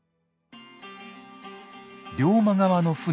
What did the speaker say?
龍馬側の船